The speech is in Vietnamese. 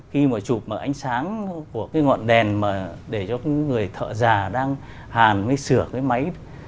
khi mà chụp ánh sáng của cái ngọn đèn mà để cho người thợ già đang hàn mới sửa cái máy